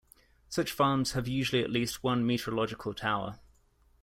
Such farms have usually at least one meteorological tower.